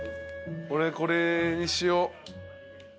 俺これにしよう。